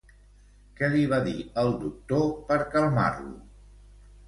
Què li va dir el doctor per calmar-lo?